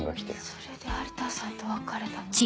それで有田さんと別れたの？